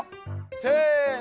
せの！